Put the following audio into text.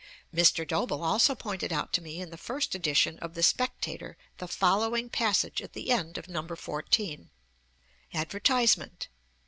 Mr. Doble has also pointed out to me in the first edition of the Spectator the following passage at the end of No. 14: 'ADVERTISEMENT.